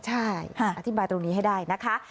ใช่อธิบายตรงนี้ให้ได้นะคะ